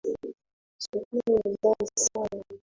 Sokoni ni mbali sana.